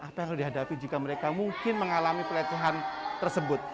apa yang harus dihadapi jika mereka mungkin mengalami pelecehan tersebut